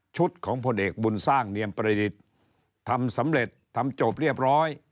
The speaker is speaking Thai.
ของผลเอกบุญสร้างเนียมประดิษฐ์ทำสำเร็จทำจบเรียบร้อย